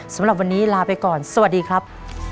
สำหรับวันนี้ลาไปก่อนสวัสดีครับ